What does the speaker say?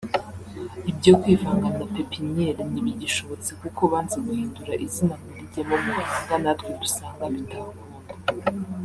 Ibyo kwivanga na Pépinière ntibigishobotse kuko banze guhindura izina ngo rijyemo Muhanga natwe dusanga bitakunda